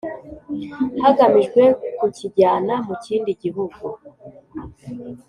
Hagamijwe Kukijyana Mu Kindi Gihugu